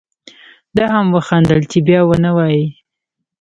ده هم وخندل چې بیا و نه وایې.